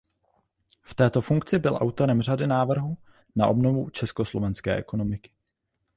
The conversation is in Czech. V této funkci byl autorem řady návrhů na obnovu československé ekonomiky.